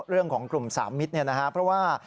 เรื่องของกลุ่มสามมิตรเพราะว่า